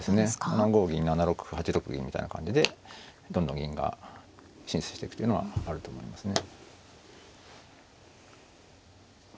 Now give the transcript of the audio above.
７五銀７六歩８六銀みたいな感じでどんどん銀が進出してくというのはあると思いますね。